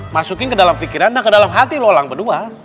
masukin ke dalam pikiran nah ke dalam hati lu alang berdua